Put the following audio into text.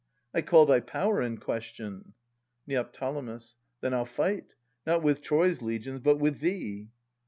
I call thy power in question. Neo. Then I'll fight, Not with Troy's legions, but with thee.